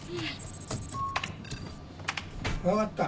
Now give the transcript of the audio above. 分かった。